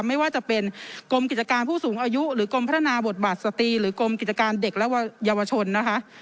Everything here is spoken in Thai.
ไม่ว่าจะเป็นกรมกิจการผู้สูงอายุหรือกรมพัฒนาบทบาทสตรีหรือกรมกิจการเด็กและเยาวชนนะคะ